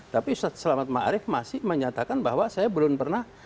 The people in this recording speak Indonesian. tapi ustadz selamat ma'arif masih menyatakan bahwa saya belum pernah